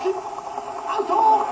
「アウト！」。